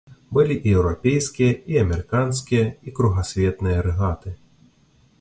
Былі і еўрапейскія, і амерыканскія, і кругасветныя рэгаты.